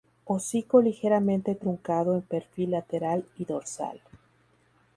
Hocico ligeramente truncado en perfil lateral y dorsal.